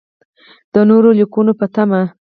د نورو لیکنو په تمه.